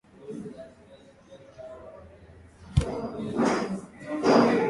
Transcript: Operesheni zimesitishwa kwa sababu zilikuwa zikifanya kazi kinyume cha sheria.